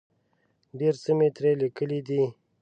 ډېر څه مې ترې لیکلي دي.